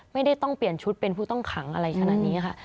ไม่ได้ต้องเปลี่ยนชุดเป็นผู้ต้องขังอะไรขนาดนี้ค่ะ